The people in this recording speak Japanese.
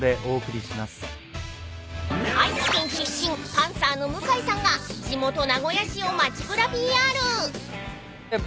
パンサーの向井さんが地元名古屋市を街ぶらＰＲ］